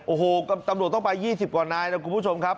โอ้โหตำรวจต้องไป๒๐กว่านายนะคุณผู้ชมครับ